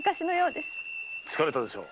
疲れたでしょう？